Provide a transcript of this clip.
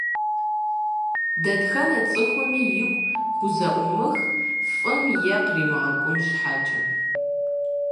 Дэтхэнэ цӀыхуми уигу хузэӀуумых, фӀым е къримыкӀуэн щхьэкӀэ.